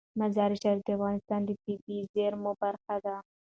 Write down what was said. مزارشریف د افغانستان د طبیعي زیرمو برخه ده.